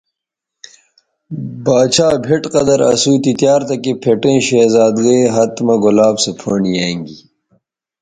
باڇھا بھئٹ قدر اسو تی تیار تکے پھٹیئں شہزادگئ ھت مہ گلاب سو پھنڈ یانگی